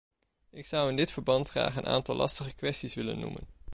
Ik zou in dit verband graag een aantal lastige kwesties willen noemen.